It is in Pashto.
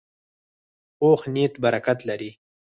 پوخ نیت برکت لري